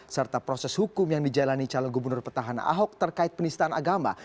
serta proses hukum yang dijalani calon gubernur petahana ahok terkait penistaan agama